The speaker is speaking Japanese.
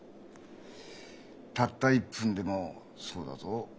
たった１分でもそうだぞ。